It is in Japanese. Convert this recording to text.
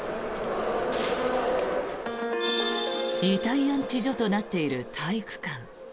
遺体安置所となっている体育館。